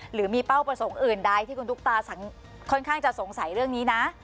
หรือมีเป้าประสงค์อื่นใดที่คุณตุ๊กตาค่อนข้างจะสงสัยเรื่องนี้นะ